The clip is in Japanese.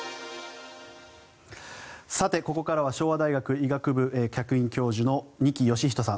さてここからは昭和大学医学部客員教授の二木芳人さん。